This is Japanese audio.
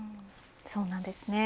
そんなんですね。